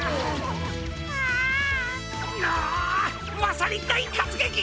まさにだいかつげき！